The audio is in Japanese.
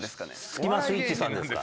スキマスイッチさんですか？